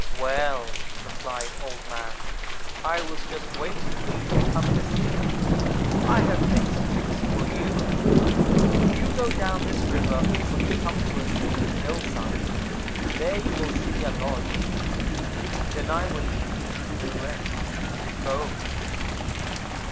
"'Well,' replied Old man, 'I was just waiting for you to come to see me. I have things fixed for you. You go down this river until you come to a steep hillside. There you will see a lodge. Then I will leave you to do the rest. Go!'